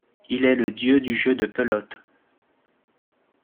Il est le dieu du jeu de pelote.